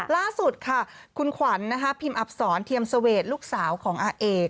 ล่าสุดค่ะคุณขวัญพิมอับศรเทียมเสวดลูกสาวของอาเอก